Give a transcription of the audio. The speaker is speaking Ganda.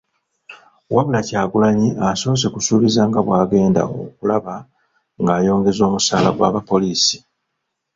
Wabula Kyagulanyi asoose kusuubiza nga bw'agenda okulaba ng'ayongeza omusaala gw'abapoliisi.